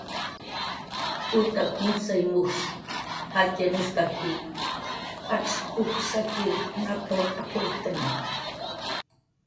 "Putak mujsay mujs jatxyanushtaki, acx p""uj saki nap""r ap""urktna"